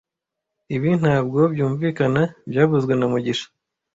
Ibi ntabwo byunvikana byavuzwe na mugisha